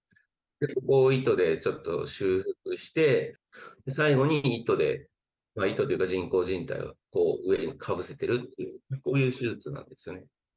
ここを糸で修復して最後に糸で、糸というか人工じん帯を上にかぶせているこういう手術ですね。